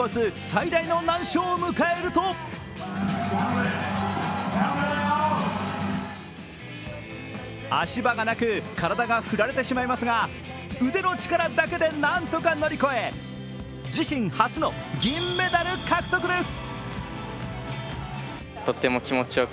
最大の難所を迎えると足場がなく体が振られてしまいますが腕の力だけでなんとか乗り越え、自身初の銀メダル獲得です。